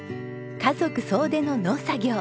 家族総出の農作業。